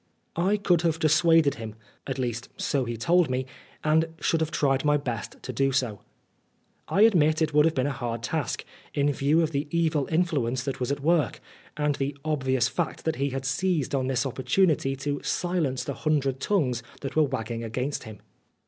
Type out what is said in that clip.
I could have dissuaded him at least so he told me and should have tried my best to do so. I admit it would have been a hard task, in view of the evil influence that was at work, and the obvious fact that he had seized on this opportunity to silence the hundred tongues that were wagging against him.